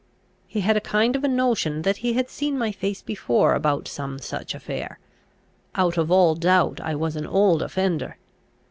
He had a kind of a notion that he had seen my face before about some such affair; out of all doubt I was an old offender.